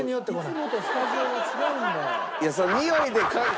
いつもとスタジオが違うんだ。